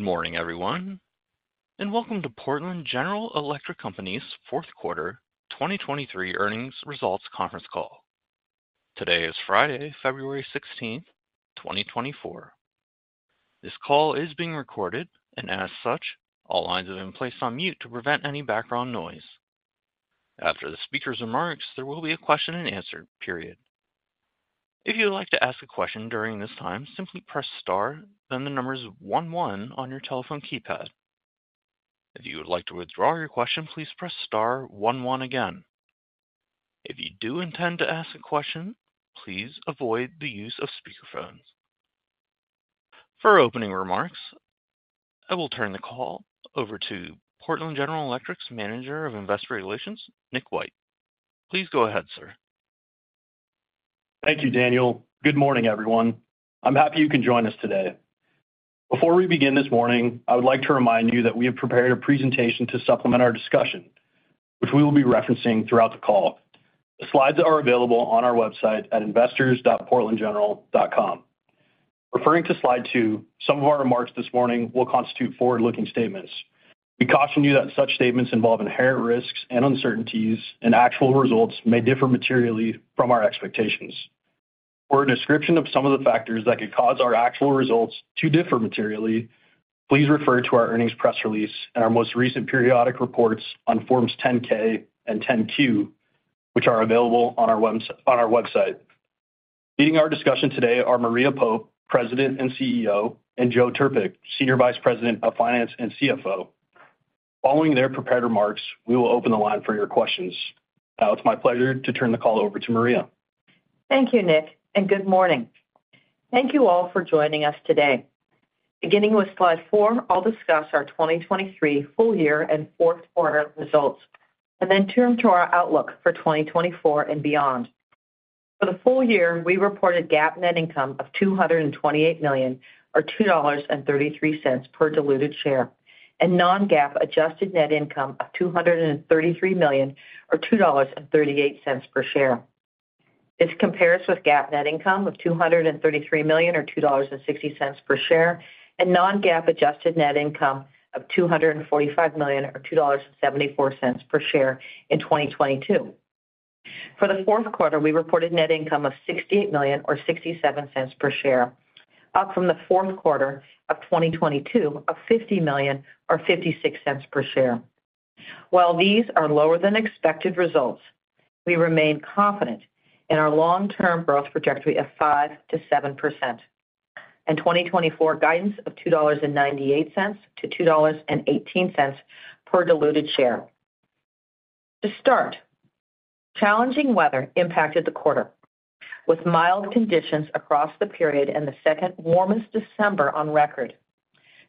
Good morning, everyone, and welcome to Portland General Electric Company's Q4 2023 Earnings Results Conference Call. Today is Friday, February 16th, 2024. This call is being recorded and, as such, all lines have been placed on mute to prevent any background noise. After the speaker's remarks, there will be a question-and-answer period. If you would like to ask a question during this time, simply press star, then the numbers one one on your telephone keypad. If you would like to withdraw your question, please press star one one again. If you do intend to ask a question, please avoid the use of speakerphones. For opening remarks, I will turn the call over to Portland General Electric's Manager of Investor Relations, Nick White. Please go ahead, sir. Thank you, Daniel. Good morning, everyone. I'm happy you can join us today. Before we begin this morning, I would like to remind you that we have prepared a presentation to supplement our discussion, which we will be referencing throughout the call. The slides are available on our website at investors.portlandgeneral.com. Referring to slide two, some of our remarks this morning will constitute forward-looking statements. We caution you that such statements involve inherent risks and uncertainties, and actual results may differ materially from our expectations. For a description of some of the factors that could cause our actual results to differ materially, please refer to our earnings press release and our most recent periodic reports on Forms 10-K and 10-Q, which are available on our website. Leading our discussion today are Maria Pope, President and CEO, and Joe Trpik, Senior Vice President of Finance and CFO. Following their prepared remarks, we will open the line for your questions. Now, it's my pleasure to turn the call over to Maria. Thank you, Nick, and good morning. Thank you all for joining us today. Beginning with slide four, I'll discuss our 2023 full year and Q4 results, and then turn to our outlook for 2024 and beyond. For the full year, we reported GAAP net income of $228 million or $2.33 per diluted share, and non-GAAP adjusted net income of $233 million or $2.38 per share. This compares with GAAP net income of $233 million or $2.60 per share and non-GAAP adjusted net income of $245 million or $2.74 per share in 2022. For the Q4, we reported net income of $68 million or $0.67 per share, up from the Q4 of 2022 of $50 million or $0.56 per share. While these are lower than expected results, we remain confident in our long-term growth trajectory of 5%-7% and 2024 guidance of $2.98-$2.18 per diluted share. To start, challenging weather impacted the quarter, with mild conditions across the period and the second warmest December on record.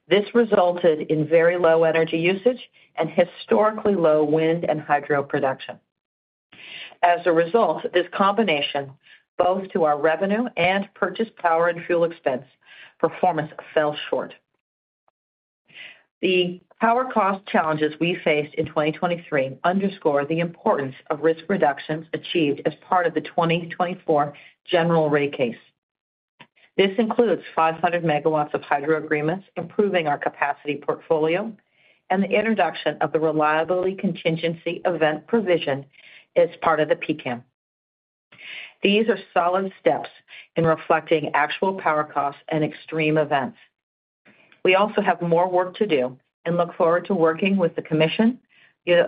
This resulted in very low energy usage and historically low wind and hydro production. As a result, this combination both to our revenue and purchased power and fuel expense. Performance fell short. The power cost challenges we faced in 2023 underscore the importance of risk reductions achieved as part of the 2024 general rate case. This includes 500 MW of hydro agreements, improving our capacity portfolio, and the introduction of the reliability contingency event provision as part of the PCAM. These are solid steps in reflecting actual power costs and extreme events. We also have more work to do and look forward to working with the commission,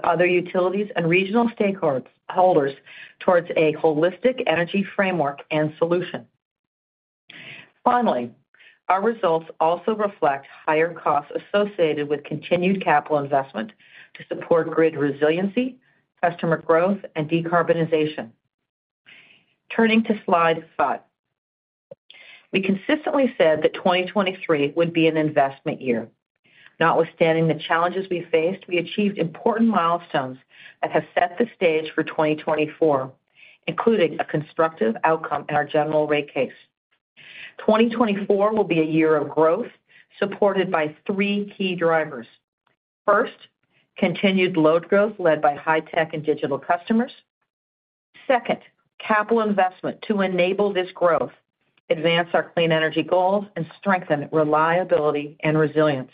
other utilities, and regional stakeholders towards a holistic energy framework and solution. Finally, our results also reflect higher costs associated with continued capital investment to support grid resiliency, customer growth, and decarbonization. Turning to slide 5, we consistently said that 2023 would be an investment year. Notwithstanding the challenges we faced, we achieved important milestones that have set the stage for 2024, including a constructive outcome in our general rate case. 2024 will be a year of growth supported by three key drivers. First, continued load growth led by high-tech and digital customers. Second, capital investment to enable this growth, advance our clean energy goals, and strengthen reliability and resilience.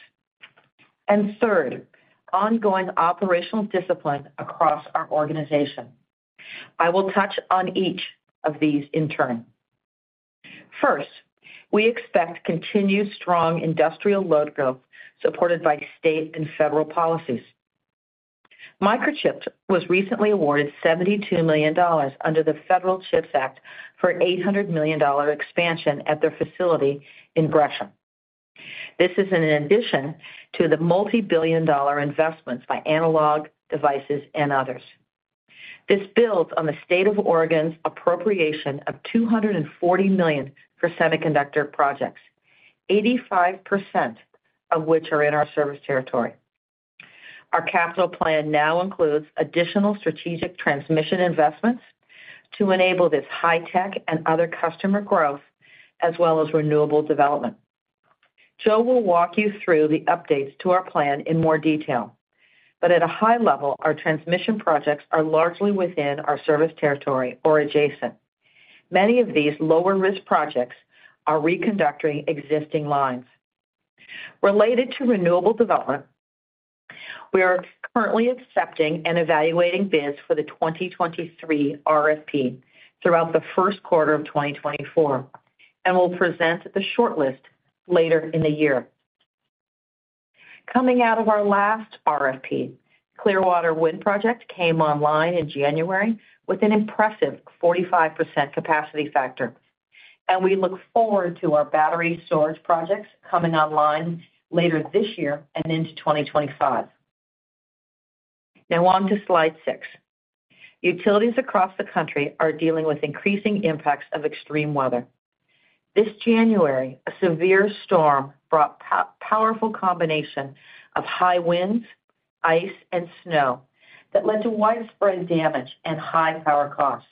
And third, ongoing operational discipline across our organization. I will touch on each of these in turn. First, we expect continued strong industrial load growth supported by state and federal policies. Microchip was recently awarded $72 million under the Federal CHIPS Act for $800 million expansion at their facility in Gresham. This is in addition to the multi-billion dollar investments by Analog Devices and others. This builds on the state of Oregon's appropriation of $240 million for semiconductor projects, 85% of which are in our service territory. Our capital plan now includes additional strategic transmission investments to enable this high-tech and other customer growth, as well as renewable development. Joe will walk you through the updates to our plan in more detail, but at a high level, our transmission projects are largely within our service territory or adjacent. Many of these lower-risk projects are reconductoring existing lines. Related to renewable development, we are currently accepting and evaluating bids for the 2023 RFP throughout the Q1 of 2024 and will present the shortlist later in the year. Coming out of our last RFP, Clearwater Wind Project came online in January with an impressive 45% capacity factor, and we look forward to our battery storage projects coming online later this year and into 2025. Now on to slide six. Utilities across the country are dealing with increasing impacts of extreme weather. This January, a severe storm brought a powerful combination of high winds, ice, and snow that led to widespread damage and high power costs.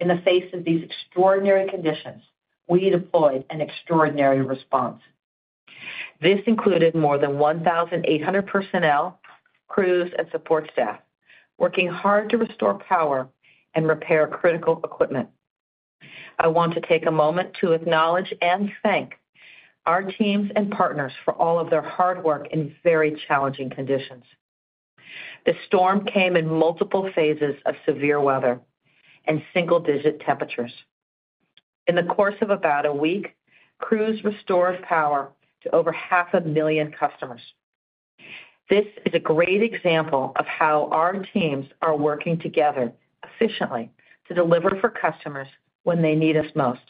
In the face of these extraordinary conditions, we deployed an extraordinary response. This included more than 1,800 personnel, crews, and support staff working hard to restore power and repair critical equipment. I want to take a moment to acknowledge and thank our teams and partners for all of their hard work in very challenging conditions. The storm came in multiple phases of severe weather and single-digit temperatures. In the course of about a week, crews restored power to over half a million customers. This is a great example of how our teams are working together efficiently to deliver for customers when they need us most.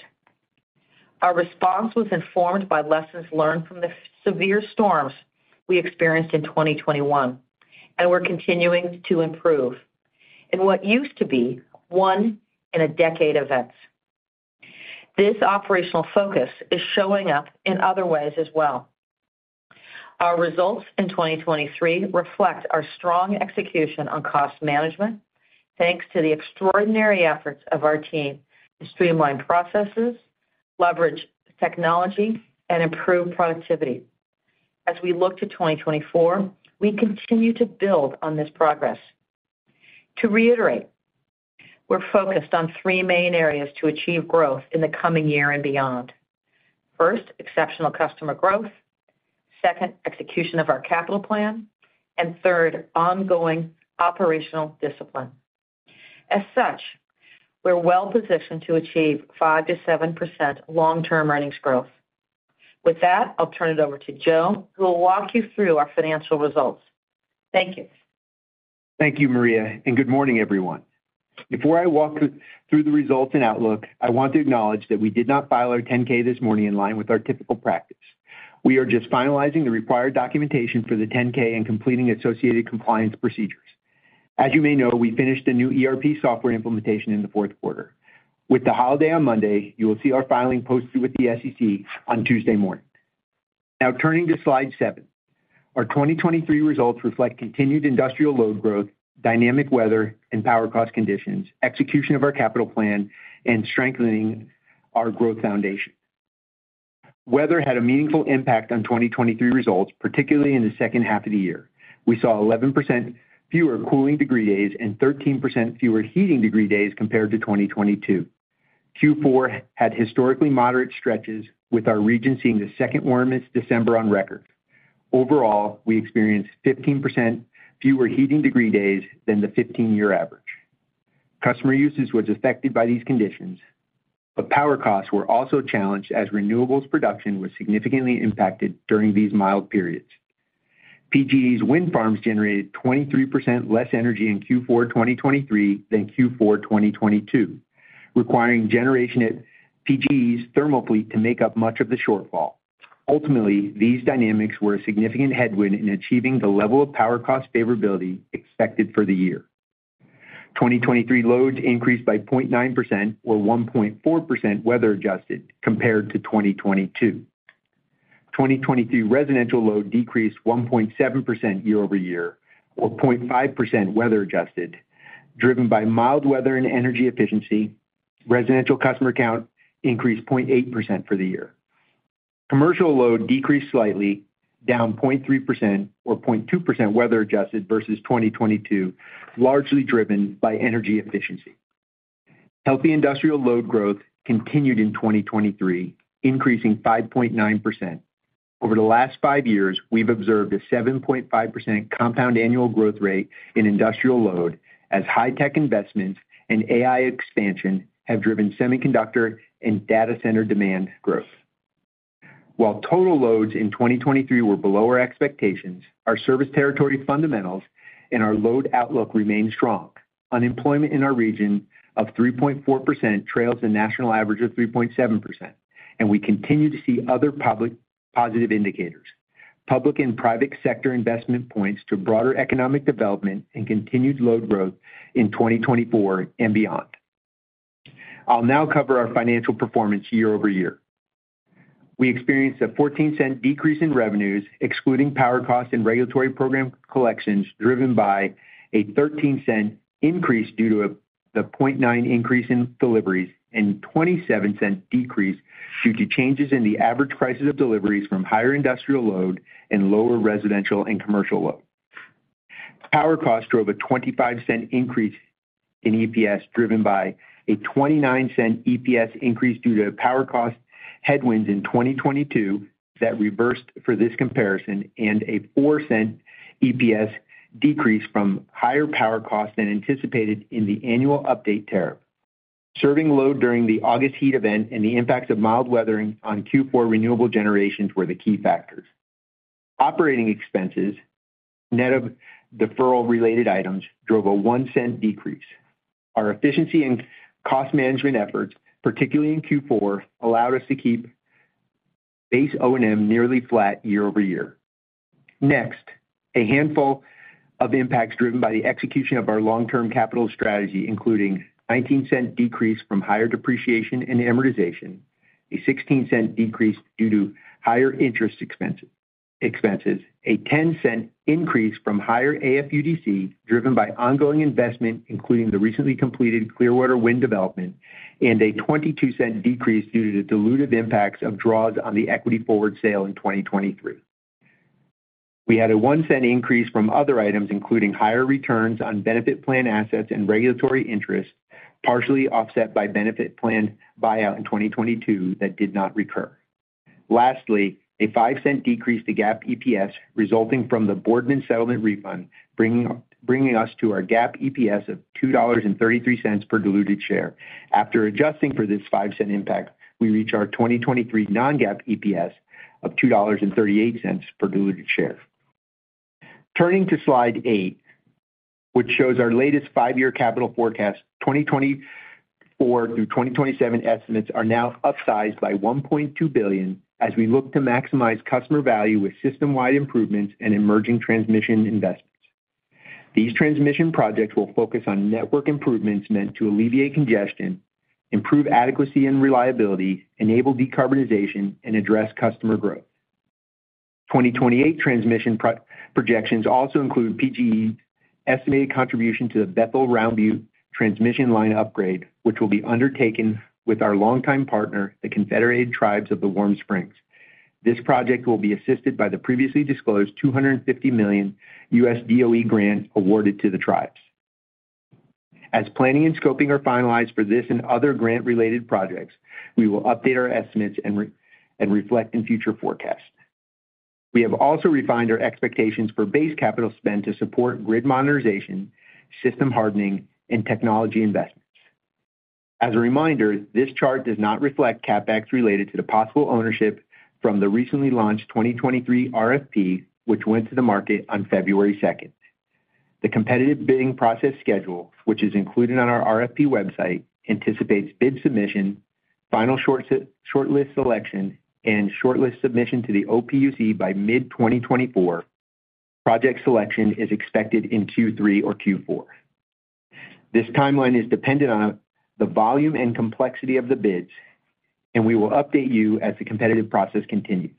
Our response was informed by lessons learned from the severe storms we experienced in 2021, and we're continuing to improve in what used to be one-in-a-decade events. This operational focus is showing up in other ways as well. Our results in 2023 reflect our strong execution on cost management, thanks to the extraordinary efforts of our team to streamline processes, leverage technology, and improve productivity. As we look to 2024, we continue to build on this progress. To reiterate, we're focused on three main areas to achieve growth in the coming year and beyond. First, exceptional customer growth. Second, execution of our capital plan. And third, ongoing operational discipline. As such, we're well positioned to achieve 5%-7% long-term earnings growth. With that, I'll turn it over to Joe, who will walk you through our financial results. Thank you. Thank you, Maria, and good morning, everyone. Before I walk through the results and outlook, I want to acknowledge that we did not file our 10-K this morning in line with our typical practice. We are just finalizing the required documentation for the 10-K and completing associated compliance procedures. As you may know, we finished a new ERP software implementation in the Q4. With the holiday on Monday, you will see our filing posted with the SEC on Tuesday morning. Now, turning to slide seven. Our 2023 results reflect continued industrial load growth, dynamic weather, and power cost conditions, execution of our capital plan, and strengthening our growth foundation. Weather had a meaningful impact on 2023 results, particularly in the second half of the year. We saw 11% fewer cooling degree days and 13% fewer heating degree days compared to 2022. Q4 had historically moderate stretches, with our region seeing the second warmest December on record. Overall, we experienced 15% fewer heating degree days than the 15-year average. Customer usage was affected by these conditions, but power costs were also challenged as renewables production was significantly impacted during these mild periods. PGE's wind farms generated 23% less energy in Q4 2023 than Q4 2022, requiring generation at PGE's thermal fleet to make up much of the shortfall. Ultimately, these dynamics were a significant headwind in achieving the level of power cost favorability expected for the year. 2023 loads increased by 0.9% or 1.4% weather-adjusted compared to 2022. 2023 residential load decreased 1.7% year-over-year or 0.5% weather-adjusted, driven by mild weather and energy efficiency. Residential customer count increased 0.8% for the year. Commercial load decreased slightly, down 0.3% or 0.2% weather-adjusted versus 2022, largely driven by energy efficiency. Healthy industrial load growth continued in 2023, increasing 5.9%. Over the last 5 years, we've observed a 7.5% compound annual growth rate in industrial load as high-tech investments and AI expansion have driven semiconductor and data center demand growth. While total loads in 2023 were below our expectations, our service territory fundamentals and our load outlook remain strong. Unemployment in our region of 3.4% trails the national average of 3.7%, and we continue to see other public positive indicators. Public and private sector investment points to broader economic development and continued load growth in 2024 and beyond. I'll now cover our financial performance year-over-year. We experienced a $0.14 decrease in revenues, excluding power costs and regulatory program collections, driven by a $0.13 increase due to the 0.9% increase in deliveries and a $0.27 decrease due to changes in the average prices of deliveries from higher industrial load and lower residential and commercial load. Power costs drove a $0.25 increase in EPS, driven by a $0.29 EPS increase due to power cost headwinds in 2022 that reversed for this comparison and a $0.04 EPS decrease from higher power costs than anticipated in the annual update tariff. Serving load during the August heat event and the impacts of mild weathering on Q4 renewable generations were the key factors. Operating expenses, net of deferral-related items, drove a $0.01 decrease. Our efficiency and cost management efforts, particularly in Q4, allowed us to keep base O&M nearly flat year-over-year. Next, a handful of impacts driven by the execution of our long-term capital strategy, including a $0.19 decrease from higher depreciation and amortization, a $0.16 decrease due to higher interest expenses, a $0.10 increase from higher AFUDC driven by ongoing investment, including the recently completed Clearwater Wind Development, and a $0.22 decrease due to the dilutive impacts of draws on the equity forward sale in 2023. We had a $0.01 increase from other items, including higher returns on benefit plan assets and regulatory interest, partially offset by benefit plan buyout in 2022 that did not recur. Lastly, a $0.05 decrease to GAAP EPS resulting from the Boardman settlement refund, bringing us to our GAAP EPS of $2.33 per diluted share. After adjusting for this $0.05 impact, we reach our 2023 non-GAAP EPS of $2.38 per diluted share. Turning to slide eight, which shows our latest 5-year capital forecast, 2024 through 2027 estimates are now upsized by $1.2 billion as we look to maximize customer value with system-wide improvements and emerging transmission investments. These transmission projects will focus on network improvements meant to alleviate congestion, improve adequacy and reliability, enable decarbonization, and address customer growth. 2028 transmission projections also include PGE's estimated contribution to the Bethel-Round Butte transmission line upgrade, which will be undertaken with our longtime partner, the Confederated Tribes of the Warm Springs. This project will be assisted by the previously disclosed $250 million U.S. DOE grant awarded to the tribes. As planning and scoping are finalized for this and other grant-related projects, we will update our estimates and reflect in future forecasts. We have also refined our expectations for base capital spend to support grid modernization, system hardening, and technology investments. As a reminder, this chart does not reflect CapEx related to the possible ownership from the recently launched 2023 RFP, which went to the market on February 2nd. The competitive bidding process schedule, which is included on our RFP website, anticipates bid submission, final shortlist selection, and shortlist submission to the OPUC by mid-2024. Project selection is expected in Q3 or Q4. This timeline is dependent on the volume and complexity of the bids, and we will update you as the competitive process continues.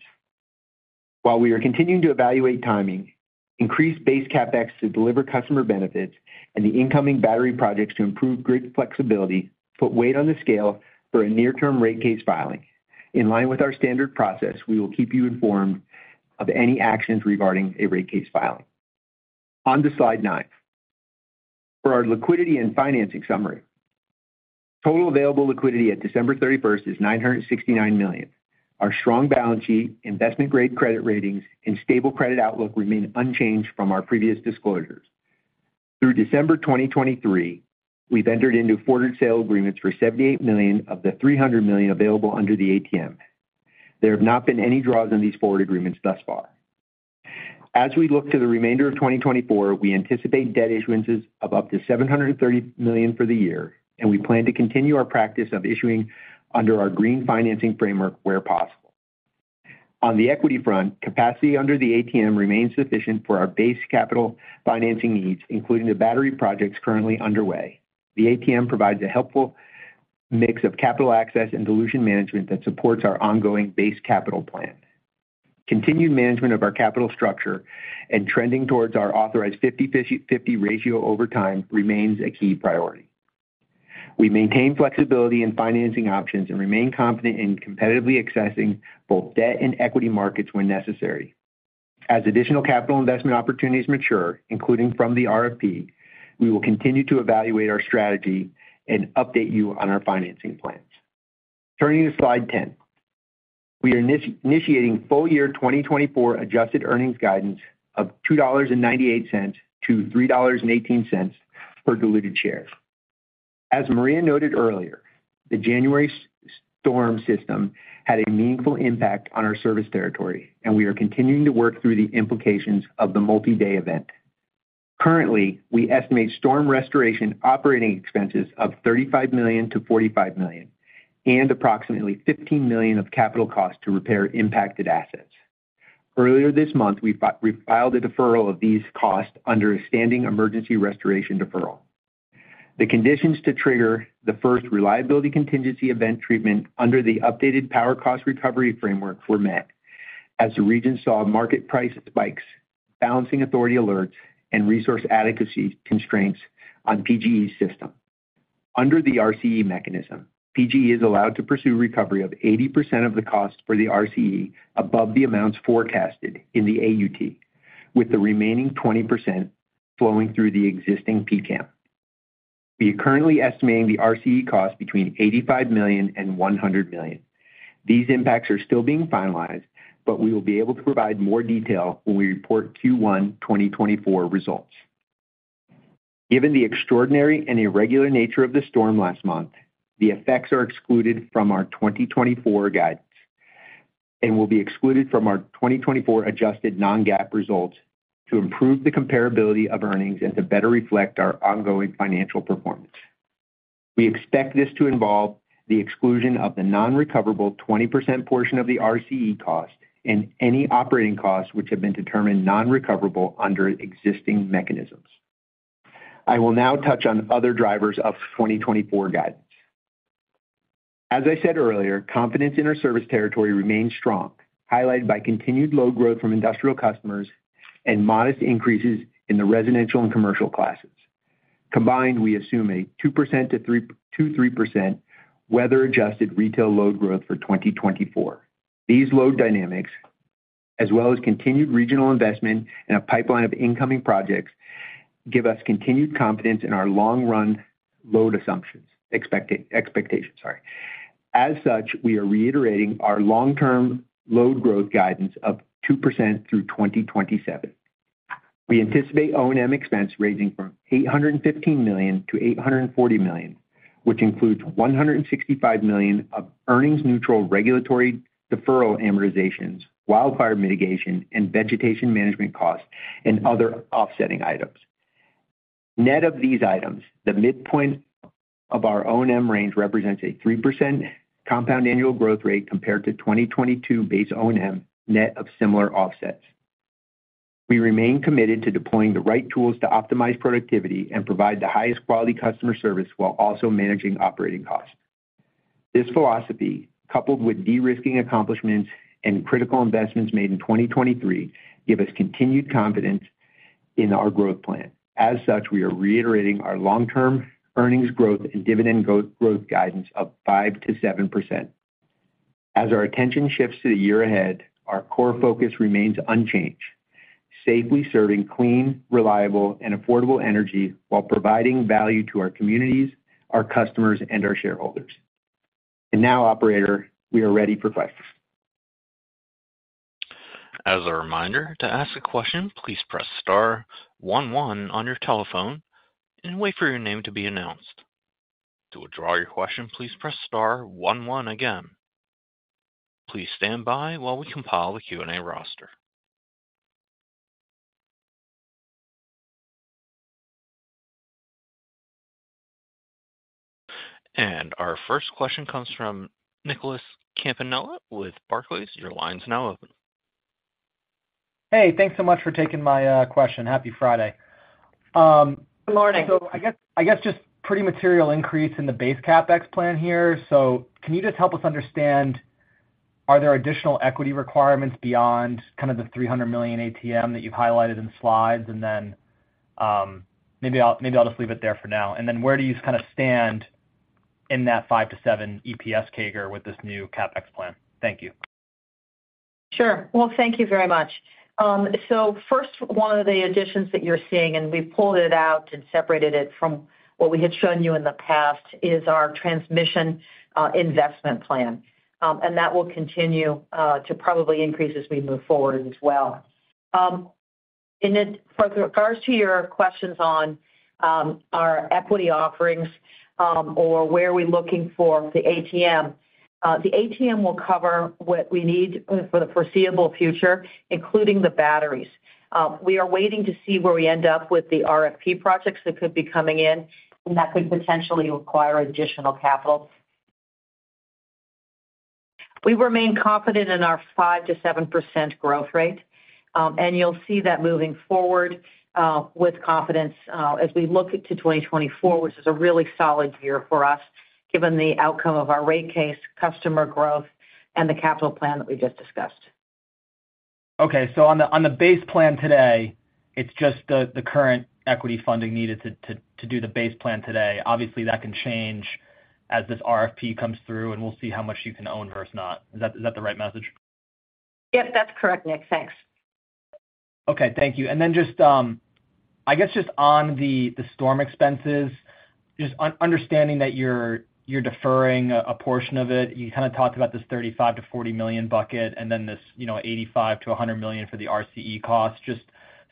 While we are continuing to evaluate timing, increased base CapEx to deliver customer benefits and the incoming battery projects to improve grid flexibility put weight on the scale for a near-term rate case filing. In line with our standard process, we will keep you informed of any actions regarding a rate case filing. On to slide nine. For our liquidity and financing summary, total available liquidity at December 31st is $969 million. Our strong balance sheet, investment-grade credit ratings, and stable credit outlook remain unchanged from our previous disclosures. Through December 2023, we've entered into forward sale agreements for $78 million of the $300 million available under the ATM. There have not been any draws on these forward agreements thus far. As we look to the remainder of 2024, we anticipate debt issuances of up to $730 million for the year, and we plan to continue our practice of issuing under our green financing framework where possible. On the equity front, capacity under the ATM remains sufficient for our base capital financing needs, including the battery projects currently underway. The ATM provides a helpful mix of capital access and dilution management that supports our ongoing base capital plan. Continued management of our capital structure and trending towards our authorized 50/50 ratio over time remains a key priority. We maintain flexibility in financing options and remain confident in competitively accessing both debt and equity markets when necessary. As additional capital investment opportunities mature, including from the RFP, we will continue to evaluate our strategy and update you on our financing plans. Turning to Slide 10. We are initiating full-year 2024 adjusted earnings guidance of $2.98-$3.18 per diluted share. As Maria noted earlier, the January storm system had a meaningful impact on our service territory, and we are continuing to work through the implications of the multi-day event. Currently, we estimate storm restoration operating expenses of $35 million-$45 million and approximately $15 million of capital cost to repair impacted assets. Earlier this month, we filed a deferral of these costs under a standing emergency restoration deferral. The conditions to trigger the first reliability contingency event treatment under the updated power cost recovery framework were met as the region saw market price spikes, balancing authority alerts, and resource adequacy constraints on PGE's system. Under the RCE mechanism, PGE is allowed to pursue recovery of 80% of the costs for the RCE above the amounts forecasted in the AUT, with the remaining 20% flowing through the existing PCAM. We are currently estimating the RCE costs between $85 million and $100 million. These impacts are still being finalized, but we will be able to provide more detail when we report Q1 2024 results. Given the extraordinary and irregular nature of the storm last month, the effects are excluded from our 2024 guidance and will be excluded from our 2024 adjusted non-GAAP results to improve the comparability of earnings and to better reflect our ongoing financial performance. We expect this to involve the exclusion of the non-recoverable 20% portion of the RCE cost and any operating costs which have been determined non-recoverable under existing mechanisms. I will now touch on other drivers of 2024 guidance. As I said earlier, confidence in our service territory remains strong, highlighted by continued low growth from industrial customers and modest increases in the residential and commercial classes. Combined, we assume a 2%-3% weather-adjusted retail load growth for 2024. These load dynamics, as well as continued regional investment and a pipeline of incoming projects, give us continued confidence in our long-run load expectations. As such, we are reiterating our long-term load growth guidance of 2% through 2027. We anticipate O&M expense raising from $815 million-$840 million, which includes $165 million of earnings-neutral regulatory deferral amortizations, wildfire mitigation, and vegetation management costs and other offsetting items. Net of these items, the midpoint of our O&M range represents a 3% compound annual growth rate compared to 2022 base O&M net of similar offsets. We remain committed to deploying the right tools to optimize productivity and provide the highest quality customer service while also managing operating costs. This philosophy, coupled with de-risking accomplishments and critical investments made in 2023, gives us continued confidence in our growth plan. As such, we are reiterating our long-term earnings growth and dividend growth guidance of 5%-7%. As our attention shifts to the year ahead, our core focus remains unchanged: safely serving clean, reliable, and affordable energy while providing value to our communities, our customers, and our shareholders. Now, Operator, we are ready for questions. As a reminder, to ask a question, please press star one one on your telephone and wait for your name to be announced. To withdraw your question, please press star one one again. Please stand by while we compile the Q&A roster. Our first question comes from Nicholas Campanella with Barclays. Your line is now open. Hey, thanks so much for taking my question. Happy Friday. Good morning. So I guess just pretty material increase in the base CapEx plan here. So can you just help us understand, are there additional equity requirements beyond the $300 million ATM that you've highlighted in slides? Then maybe I'll just leave it there for now. Then where do you stand in that 5%-7% EPS CAGR with this new CapEx plan? Thank you. Sure. Well, thank you very much. So first, one of the additions that you're seeing, and we've pulled it out and separated it from what we had shown you in the past, is our transmission investment plan. And that will continue to probably increase as we move forward as well. In regards to your questions on our equity offerings or where we're looking for the ATM, the ATM will cover what we need for the foreseeable future, including the batteries. We are waiting to see where we end up with the RFP projects that could be coming in, and that could potentially require additional capital. We remain confident in our 5%-7% growth rate. And you'll see that moving forward with confidence as we look to 2024, which is a really solid year for us given the outcome of our rate case, customer growth, and the capital plan that we just discussed. Okay. So on the base plan today, it's just the current equity funding needed to do the base plan today. Obviously, that can change as this RFP comes through, and we'll see how much you can own versus not. Is that the right message? Yep, that's correct, Nick. Thanks. Okay. Thank you. And then I guess just on the storm expenses, just understanding that you're deferring a portion of it, you talked about this $35-$40 million bucket and then this $85-$100 million for the RCE costs. Just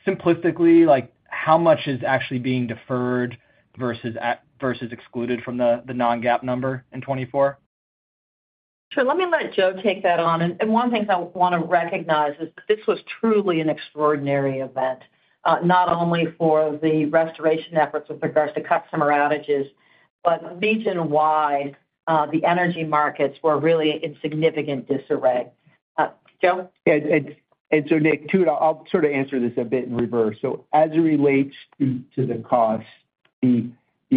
simplistically, how much is actually being deferred versus excluded from the non-GAAP number in 2024? Sure. Let me let Joe take that on. And one thing I want to recognize is that this was truly an extraordinary event, not only for the restoration efforts with regards to customer outages, but region-wide, the energy markets were really in significant disarray. Joe? Yeah. And so, Nick, too, I'll answer this a bit in reverse. So as it relates to the costs, the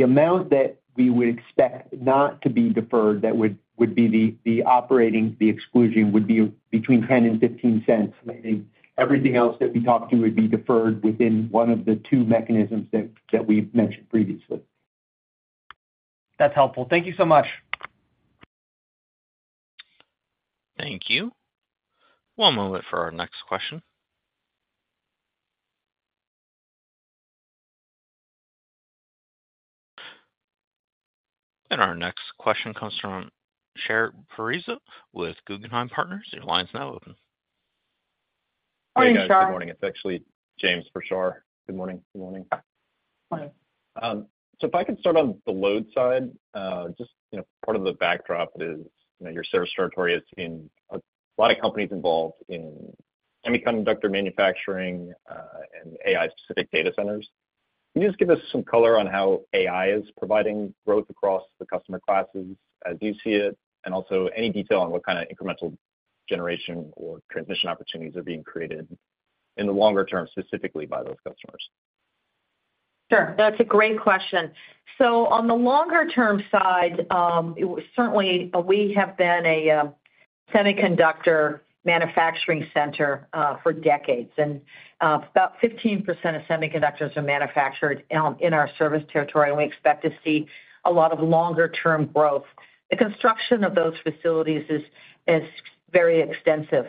amount that we would expect not to be deferred that would be the exclusion would be between $0.10-$0.15. Everything else that we talked to would be deferred within one of the two mechanisms that we mentioned previously. That's helpful. Thank you so much. Thank you. One moment for our next question. And our next question comes from Shar Pourreza with Guggenheim Partners. Your line is now open. Morning, Shar. Good morning. It's actually James for Shar. Good morning. Good morning. Yeah. Morning. So if I could start on the load side, just part of the backdrop is your service territory has seen a lot of companies involved in semiconductor manufacturing and AI-specific data centers. Can you just give us some color on how AI is providing growth across the customer classes as you see it, and also any detail on what kind of incremental generation or transmission opportunities are being created in the longer term specifically by those customers? Sure. That's a great question. So on the longer term side, certainly, we have been a semiconductor manufacturing center for decades. And about 15% of semiconductors are manufactured in our service territory, and we expect to see a lot of longer-term growth. The construction of those facilities is very extensive.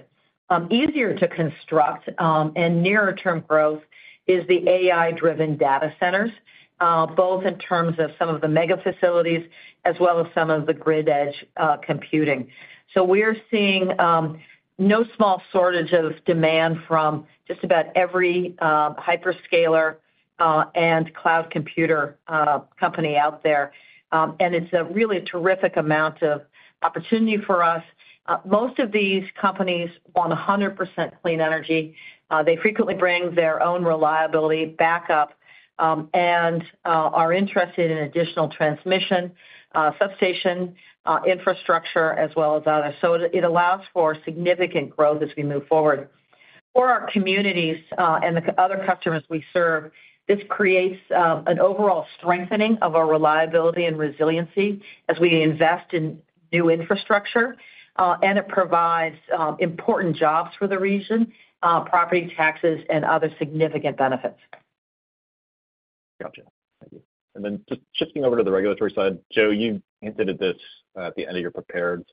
Easier to construct and nearer-term growth is the AI-driven data centers, both in terms of some of the mega facilities as well as some of the grid-edge computing. So we are seeing no small shortage of demand from just about every hyperscaler and cloud computer company out there. And it's really a terrific amount of opportunity for us. Most of these companies want 100% clean energy. They frequently bring their own reliability backup and are interested in additional transmission substation infrastructure as well as others. So it allows for significant growth as we move forward. For our communities and the other customers we serve, this creates an overall strengthening of our reliability and resiliency as we invest in new infrastructure. And it provides important jobs for the region, property taxes, and other significant benefits. Gotcha. Thank you. And then just shifting over to the regulatory side, Joe, you hinted at this at the end of your prepared.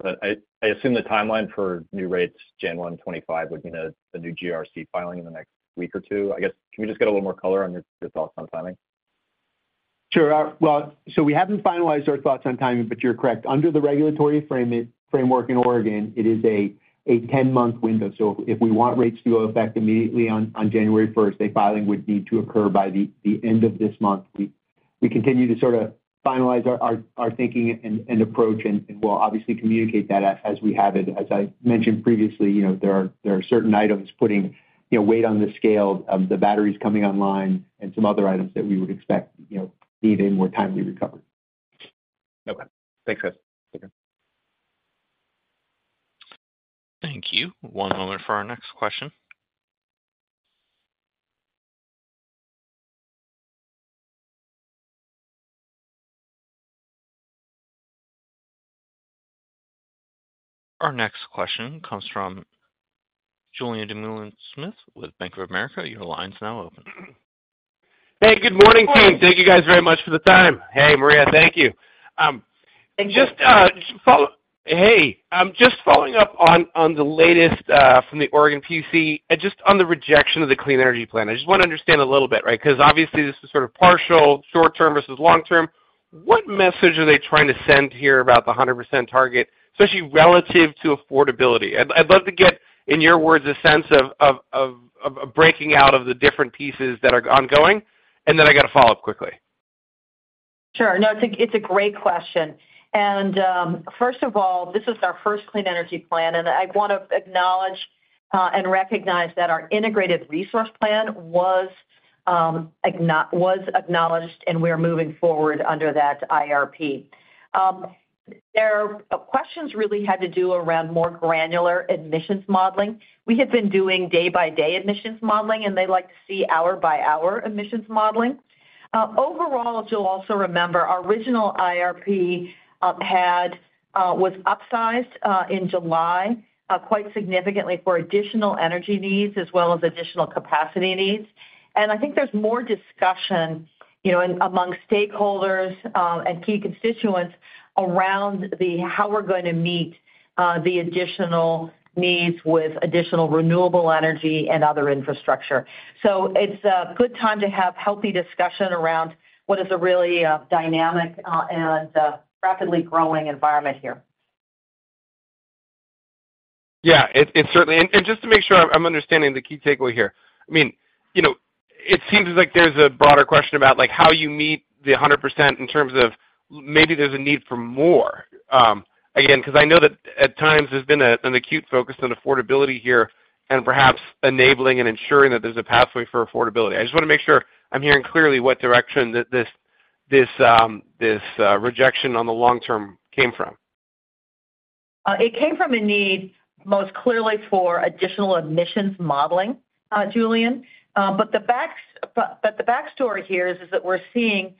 But I assume the timeline for new rates, January 25th, would mean a new GRC filing in the next week or two. I guess, can we just get a little more color on your thoughts on timing? Sure. Well, so we haven't finalized our thoughts on timing, but you're correct. Under the regulatory framework in Oregon, it is a 10-month window. So if we want rates to go into effect immediately on January 1st, a filing would need to occur by the end of this month. We continue to finalize our thinking and approach, and we'll obviously communicate that as we have it. As I mentioned previously, there are certain items putting weight on the scale, the batteries coming online, and some other items that we would expect needing more timely recovery. Okay. Thanks, guys. Take care. Thank you. One moment for our next question. Our next question comes from Julien Dumoulin-Smith with Bank of America. Your line is now open. Hey, good morning, team. Thank you guys very much for the time. Hey, Maria, thank you. Just following up on the latest from the Oregon PUC, just on the rejection of the clean energy plan. I just want to understand a little bit, right? Because obviously, this is partial, short-term versus long-term. What message are they trying to send here about the 100% target, especially relative to affordability? I'd love to get, in your words, a sense of breaking out of the different pieces that are ongoing, and then I got to follow up quickly. Sure. No, it's a great question. First of all, this is our first clean energy plan, and I want to acknowledge and recognize that our integrated resource plan was acknowledged, and we are moving forward under that IRP. Their questions really had to do around more granular emissions modeling. We had been doing day-by-day emissions modeling, and they'd like to see hour-by-hour emissions modeling. Overall, as you'll also remember, our original IRP was upsized in July quite significantly for additional energy needs as well as additional capacity needs. I think there's more discussion among stakeholders and key constituents around how we're going to meet the additional needs with additional renewable energy and other infrastructure. It's a good time to have healthy discussion around what is a really dynamic and rapidly growing environment here. Yeah. Just to make sure I'm understanding the key takeaway here, I mean, it seems like there's a broader question about how you meet the 100% in terms of maybe there's a need for more. Again, because I know that at times, there's been an acute focus on affordability here and perhaps enabling and ensuring that there's a pathway for affordability. I just want to make sure I'm hearing clearly what direction this rejection on the long term came from. It came from a need most clearly for additional additions modeling, Julien. But the backstory here is that we're seeing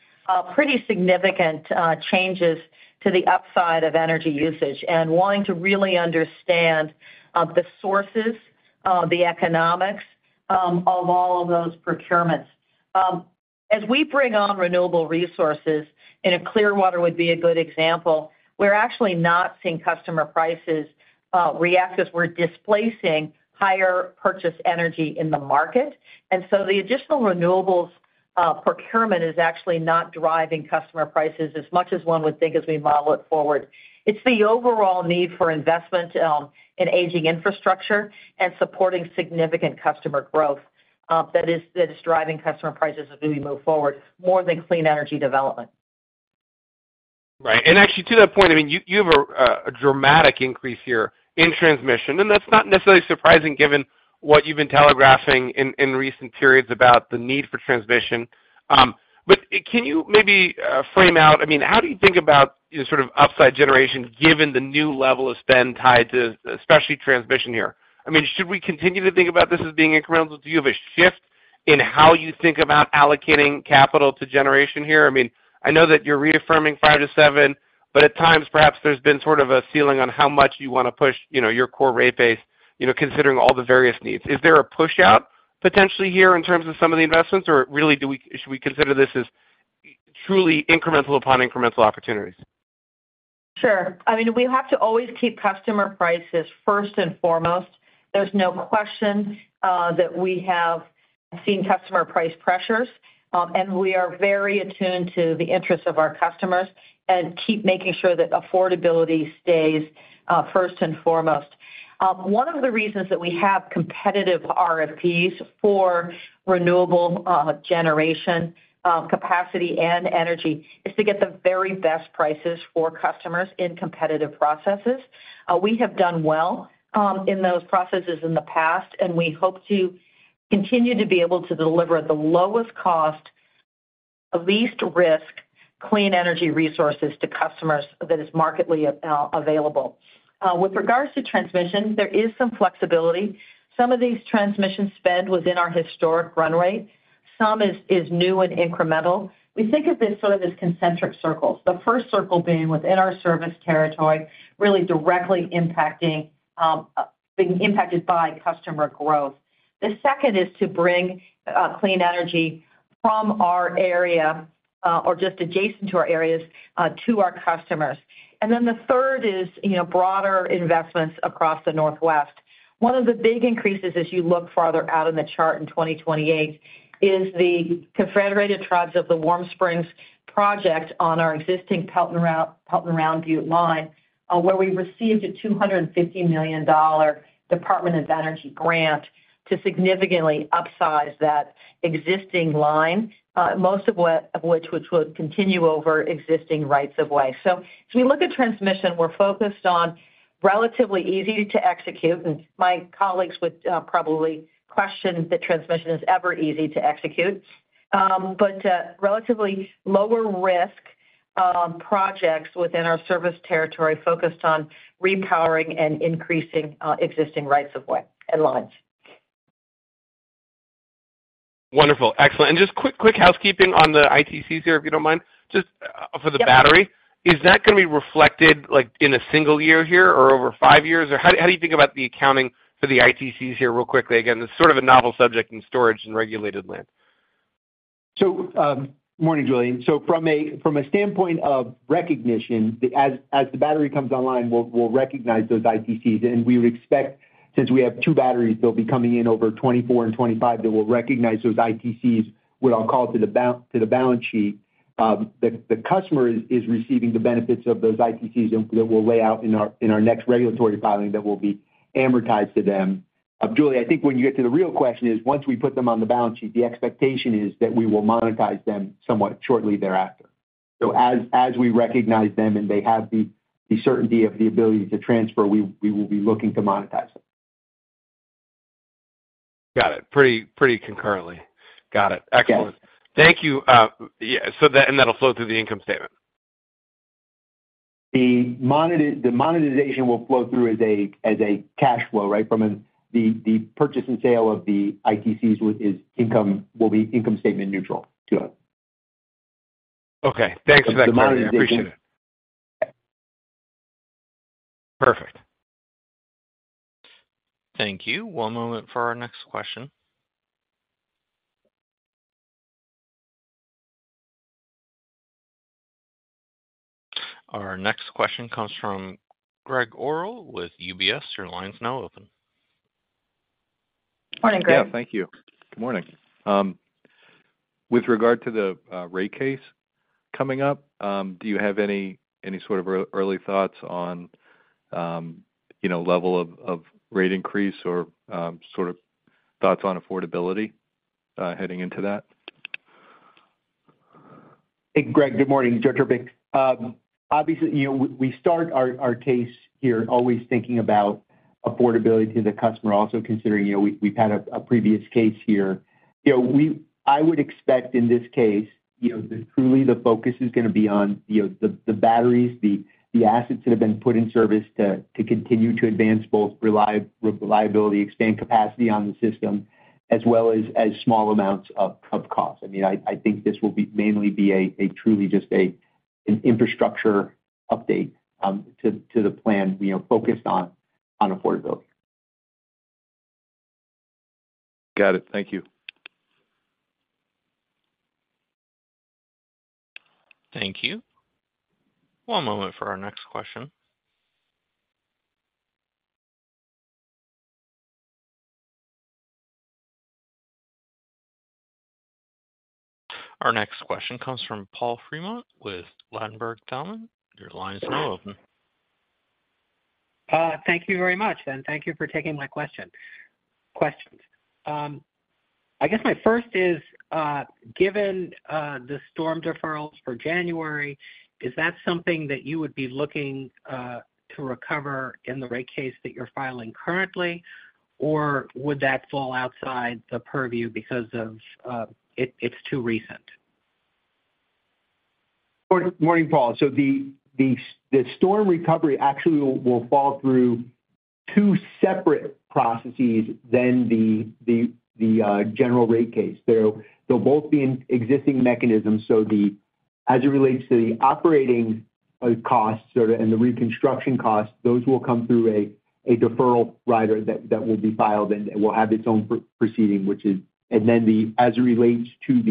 pretty significant changes to the upside of energy usage and wanting to really understand the sources, the economics of all of those procurements. As we bring on renewable resources - and Clearwater would be a good example - we're actually not seeing customer prices react because we're displacing higher purchased energy in the market. And so the additional renewables procurement is actually not driving customer prices as much as one would think as we model it forward. It's the overall need for investment in aging infrastructure and supporting significant customer growth that is driving customer prices as we move forward, more than clean energy development. Right. Actually, to that point, I mean, you have a dramatic increase here in transmission. That's not necessarily surprising given what you've been telegraphing in recent periods about the need for transmission. But can you maybe frame out, I mean, how do you think about upside generation given the new level of spend tied to especially transmission here? I mean, should we continue to think about this as being incremental? Do you have a shift in how you think about allocating capital to generation here? I mean, I know that you're reaffirming 5%-7%, but at times, perhaps there's been a ceiling on how much you want to push your core rate base considering all the various needs. Is there a push-out potentially here in terms of some of the investments, or really, should we consider this as truly incremental upon incremental opportunities? Sure. I mean, we have to always keep customer prices first and foremost. There's no question that we have seen customer price pressures. We are very attuned to the interests of our customers and keep making sure that affordability stays first and foremost. One of the reasons that we have competitive RFPs for renewable generation capacity and energy is to get the very best prices for customers in competitive processes. We have done well in those processes in the past, and we hope to continue to be able to deliver the lowest cost, least risk clean energy resources to customers that is readily available. With regards to transmission, there is some flexibility. Some of these transmission spend was in our historic run rate. Some is new and incremental. We think of this as concentric circles, the first circle being within our service territory really directly being impacted by customer growth. The second is to bring clean energy from our area or just adjacent to our areas to our customers. Then the third is broader investments across the Northwest. One of the big increases, as you look farther out in the chart in 2028, is the Confederated Tribes of the Warm Springs project on our existing Pelton Round Butte line where we received a $250 million Department of Energy grant to significantly upsize that existing line, most of which would continue over existing rights of way. So as we look at transmission, we're focused on relatively easy to execute. My colleagues would probably question that transmission is ever easy to execute, but relatively lower-risk projects within our service territory focused on repowering and increasing existing rights of way and lines. Wonderful. Excellent. Just quick housekeeping on the ITCs here, if you don't mind, just for the battery. Is that going to be reflected in a single year here or over five years? Or how do you think about the accounting for the ITCs here real quickly? Again, this is a novel subject in storage and regulated land. Good morning, Julien. So from a standpoint of recognition, as the battery comes online, we'll recognize those ITCs. And we would expect, since we have two batteries that'll be coming in over 2024 and 2025, that we'll recognize those ITCs what I'll call to the balance sheet. The customer is receiving the benefits of those ITCs that we'll lay out in our next regulatory filing that will be amortized to them. Julien, I think when you get to the real question is once we put them on the balance sheet, the expectation is that we will monetize them somewhat shortly thereafter. So as we recognize them and they have the certainty of the ability to transfer, we will be looking to monetize them. Got it. Pretty concurrently. Got it. Excellent. Thank you. And that'll flow through the income statement? The monetization will flow through as a cash flow, right? From the purchase and sale of the ITCs, will be income statement neutral to us. Okay. Thanks for that comment. I appreciate it. Perfect. Thank you. One moment for our next question. Our next question comes from Greg Orrill with UBS. Your line is now open. Morning, Greg. Yeah. Thank you. Good morning. With regard to the rate case coming up, do you have any sort of early thoughts on level of rate increase or thoughts on affordability heading into that? Hey, Greg. Good morning, Joe Trpik Obviously, we start our case here always thinking about affordability to the customer, also considering we've had a previous case here. I would expect in this case, truly, the focus is going to be on the batteries, the assets that have been put in service to continue to advance both reliability, expand capacity on the system, as well as small amounts of cost. I mean, I think this will mainly be truly just an infrastructure update to the plan focused on affordability. Got it. Thank you. Thank you. One moment for our next question. Our next question comes from Paul Fremont with Ladenburg Thalmann. Your line is now open. Thank you very much, and thank you for taking my questions. I guess my first is, given the storm deferrals for January, is that something that you would be looking to recover in the rate case that you're filing currently, or would that fall outside the purview because it's too recent? Morning, Paul. So the storm recovery actually will fall through two separate processes than the general rate case. They'll both be in existing mechanisms. So as it relates to the operating costs and the reconstruction costs, those will come through a deferral rider that will be filed and will have its own proceeding, which is and then as it relates to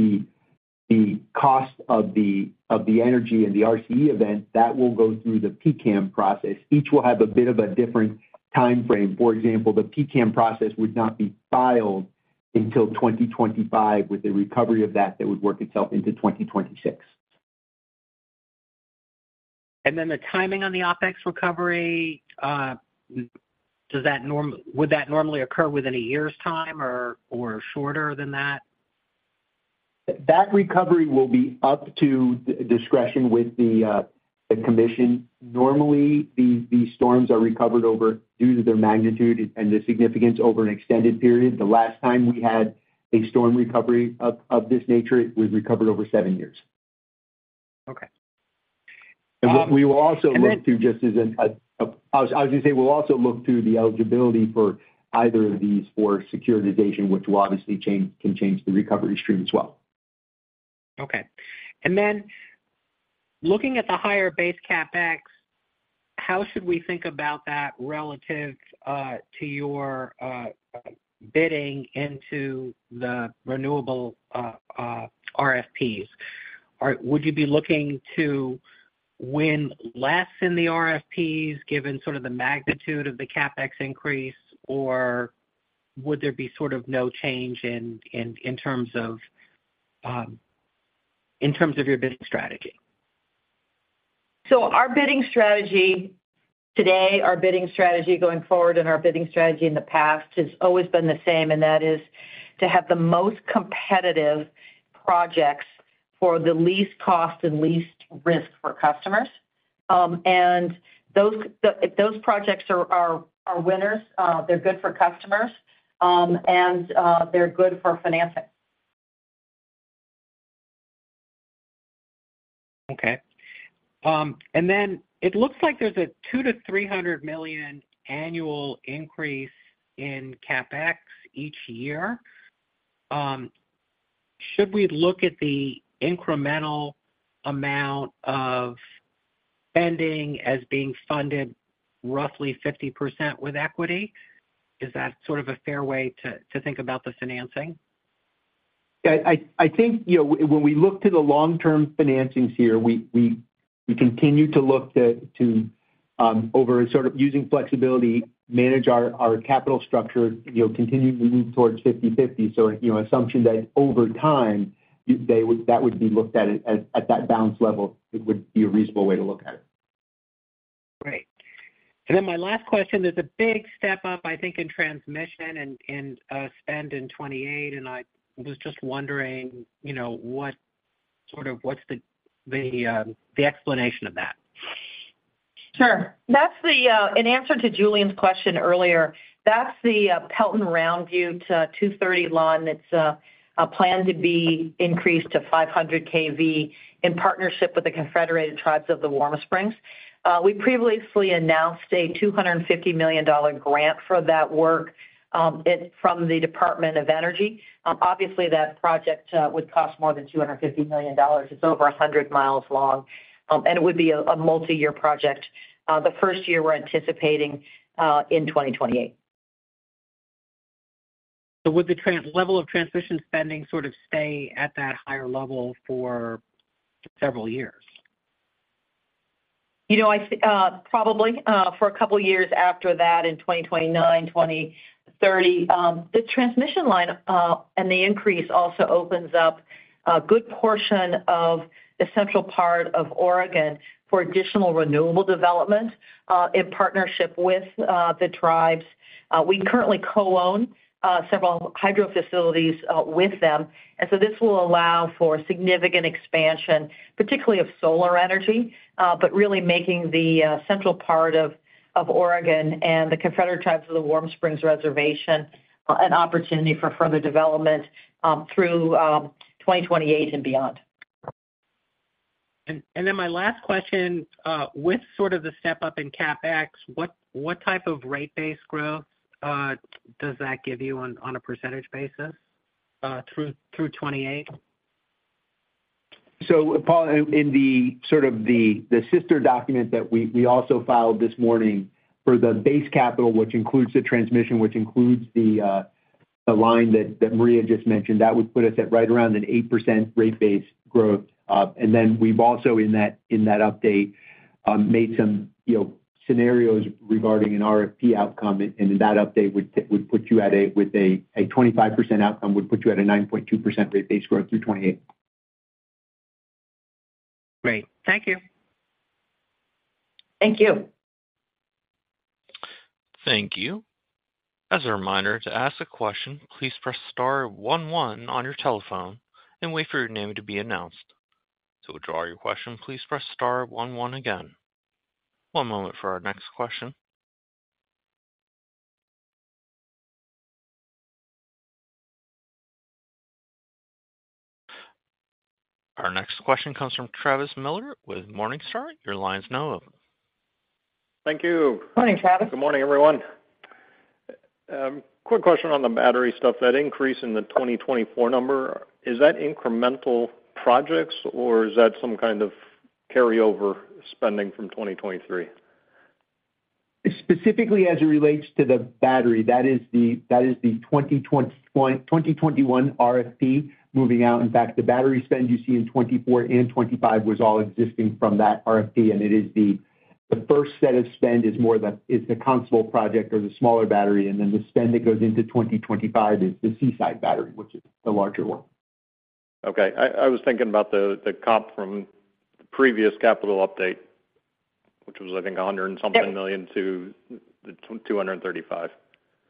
the cost of the energy and the RCE event, that will go through the PCAM process. Each will have a bit of a different time frame. For example, the PCAM process would not be filed until 2025. With the recovery of that, that would work itself into 2026. Then the timing on the OpEx recovery, Would that normally occur within a year's time or shorter than that? That recovery will be up to discretion with the commission. Normally, the storms are recovered due to their magnitude and the significance over an extended period. The last time we had a storm recovery of this nature, it was recovered over seven years. And we will also look to just as I was going to say we'll also look to the eligibility for either of these for securitization, which will obviously can change the recovery stream as well. Okay. And then looking at the higher base CapEx, how should we think about that relative to your bidding into the renewable RFPs? Would you be looking to win less in the RFPs given the magnitude of the CapEx increase, or would there be no change in terms of your bidding strategy? Our bidding strategy today, our bidding strategy going forward, and our bidding strategy in the past has always been the same, and that is to have the most competitive projects for the least cost and least risk for customers. If those projects are winners, they're good for customers, and they're good for financing. Okay. Then it looks like there's a $200 million-$300 million annual increase in CapEx each year. Should we look at the incremental amount of spending as being funded roughly 50% with equity? Is that a fair way to think about the financing? Yeah. I think when we look to the long-term financings here, we continue to look to, by using flexibility, manage our capital structure, continue to move towards 50/50. So assumption that over time, that would be looked at at that balance level. It would be a reasonable way to look at it. Right. And then my last question, there's a big step up, I think, in transmission and spend in 2028. And I was just wondering, what's the explanation of that? Sure. In answer to Julien's question earlier, that's the Pelton Round Butte 230 kV line that's planned to be increased to 500 kV in partnership with the Confederated Tribes of the Warm Springs. We previously announced a $250 million grant for that work from the Department of Energy. Obviously, that project would cost more than $250 million. It's over 100 mi long, and it would be a multi-year project. The first year we're anticipating in 2028. So would the level of transmission spending stay at that higher level for several years? Probably. For a couple of years after that, in 2029, 2030, the transmission line and the increase also opens up a good portion of the central part of Oregon for additional renewable development in partnership with the tribes. We currently co-own several hydro facilities with them. And so this will allow for significant expansion, particularly of solar energy, but really making the central part of Oregon and the Confederated Tribes of the Warm Springs Reservation an opportunity for further development through 2028 and beyond. And then my last question, with the step up in CapEx, what type of rate-based growth does that give you on a percentage basis through 2028? So Paul, in the sister document that we also filed this morning for the base capital, which includes the transmission, which includes the line that Maria just mentioned, that would put us at right around an 8% rate-based growth. And then we've also, in that update, made some scenarios regarding an RFP outcome. And in that update, with a 25% outcome, would put you at a 9.2% rate-based growth through 2028. Great. Thank you. Thank you. Thank you. As a reminder, to ask a question, please press star one one on your telephone and wait for your name to be announced. To withdraw your question, please press star one one again. One moment for our next question. Our next question comes from Travis Miller with Morningstar. Your line is now open. Thank you. Morning, Travis. Good morning, everyone. Quick question on the battery stuff. That increase in the 2024 number, is that incremental projects, or is that some kind of carryover spending from 2023? Specifically, as it relates to the battery, that is the 2021 RFP moving out. In fact, the battery spend you see in 2024 and 2025 was all existing from that RFP. And it is the first set of spend is more the Constable Battery project or the smaller battery. And then the spend that goes into 2025 is the Seaside Battery, which is the larger one. Okay. I was thinking about the comp from the previous capital update, which was, I think, $100-something million to the $235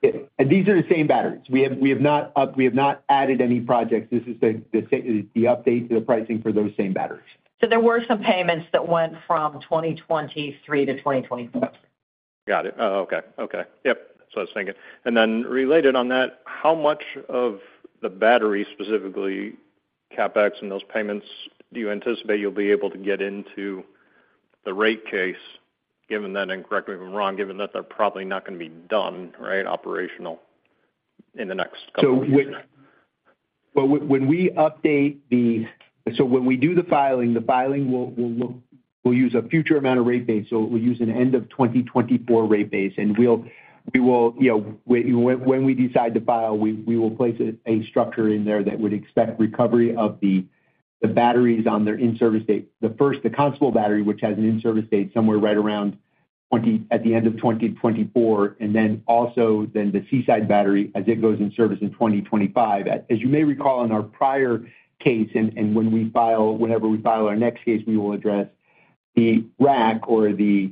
million. And these are the same batteries. We have not added any projects. This is the update to the pricing for those same batteries. So there were some payments that went from 2023 to 2024. Got it. Okay. Okay. Yep. So I was thinking. And then related on that, how much of the battery, specifically CapEx and those payments, do you anticipate you'll be able to get into the rate case, correct me if I'm wrong, given that they're probably not going to be done, right, operational in the next couple of years? So when we do the filing, the filing will use a future amount of rate base. So it will use an end-of-2024 rate base. And we will when we decide to file, we will place a structure in there that would expect recovery of the batteries on their in-service date. The Constable Battery, which has an in-service date somewhere right around at the end of 2024, and then also the Seaside Battery as it goes in service in 2025. As you may recall in our prior case, and whenever we file our next case, we will address the RAC or the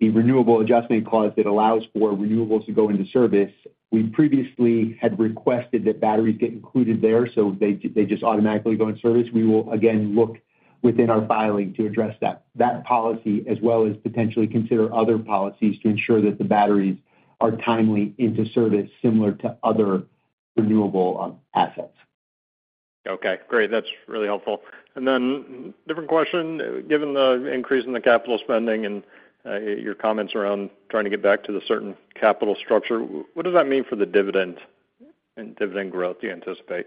renewable adjustment clause that allows for renewables to go into service. We previously had requested that batteries get included there, so they just automatically go in service. We will, again, look within our filing to address that policy as well as potentially consider other policies to ensure that the batteries are timely into service similar to other renewable assets. Okay. Great. That's really helpful. And then different question, given the increase in the capital spending and your comments around trying to get back to the certain capital structure, what does that mean for the dividend growth you anticipate?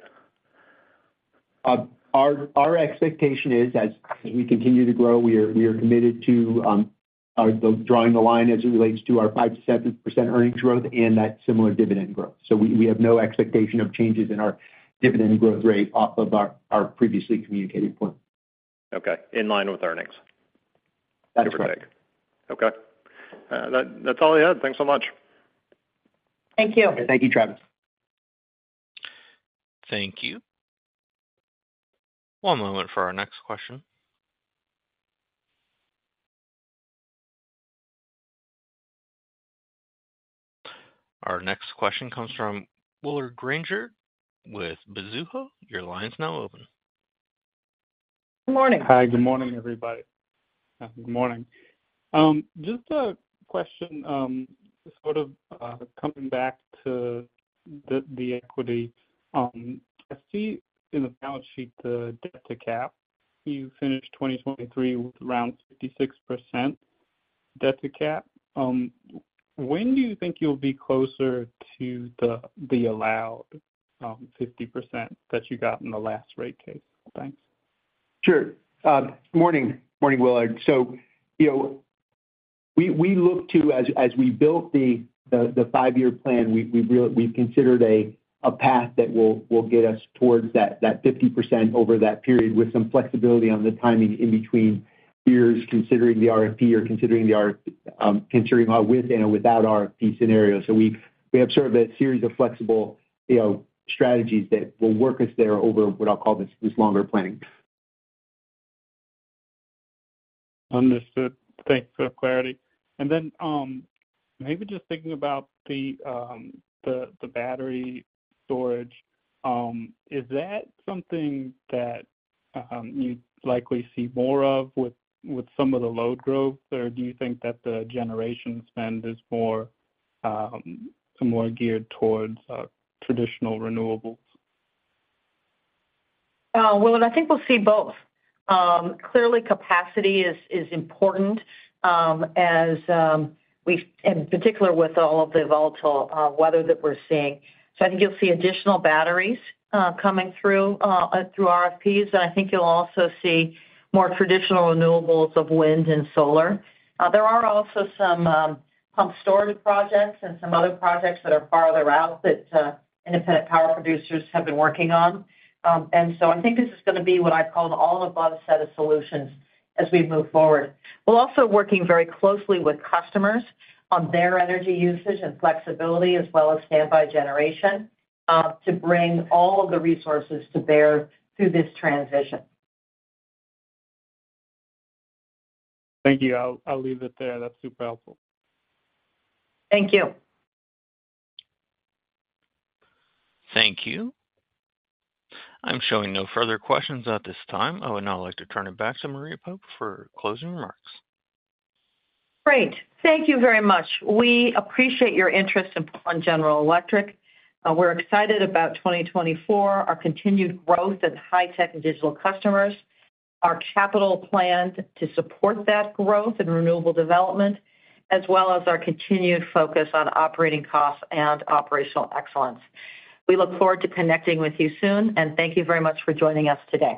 Our expectation is, as we continue to grow, we are committed to drawing the line as it relates to our 5%-7% earnings growth and that similar dividend growth. So we have no expectation of changes in our dividend growth rate off of our previously communicated point. Okay. In line with earnings, give or take. That's correct. Okay. That's all I had. Thanks so much. Thank you. Thank you, Travis. Thank you. One moment for our next question. Our next question comes from Willard Grainger with Mizuho. Your line is now open. Good morning. Hi. Good morning, everybody. Good morning. Just a question, coming back to the equity. I see in the balance sheet the debt to cap. You finished 2023 with around 56% debt to cap. When do you think you'll be closer to the allowed 50% that you got in the last rate case? Thanks. Sure. Morning, Willard. So we look to, as we built the five-year plan, we've considered a path that will get us towards that 50% over that period with some flexibility on the timing in between years, considering the RFP or considering a with and a without RFP scenario. So we have a series of flexible strategies that will work us there over what I'll call this longer planning. Understood. Thanks for the clarity. And then maybe just thinking about the battery storage, is that something that you'd likely see more of with some of the load growth, or do you think that the generation spend is more geared towards traditional renewables? Willard, I think we'll see both. Clearly, capacity is important, in particular with all of the volatile weather that we're seeing. So I think you'll see additional batteries coming through RFPs. And I think you'll also see more traditional renewables of wind and solar. There are also some pump storage projects and some other projects that are farther out that independent power producers have been working on. And so I think this is going to be what I'd call an all-above set of solutions as we move forward. We're also working very closely with customers on their energy usage and flexibility as well as standby generation to bring all of the resources to bear through this transition. Thank you. I'll leave it there. That's super helpful. Thank you. Thank you. I'm showing no further questions at this time. I would now like to turn it back to Maria Pope for closing remarks. Great. Thank you very much. We appreciate your interest in Portland General Electric. We're excited about 2024, our continued growth in high-tech and digital customers, our capital planned to support that growth and renewable development, as well as our continued focus on operating costs and operational excellence. We look forward to connecting with you soon. Thank you very much for joining us today.